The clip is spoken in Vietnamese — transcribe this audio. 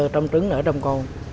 trong trứng nở trong con